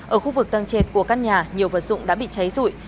ở khu vực tăng chệt của căn nhà nhiều vật dụng đã bị cháy rụi